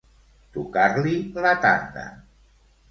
Tocar-li la tanda.